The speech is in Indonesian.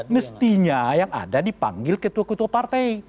mestinya yang ada dipanggil ketua ketua partai